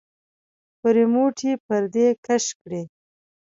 په رېموټ يې پردې کش کړې.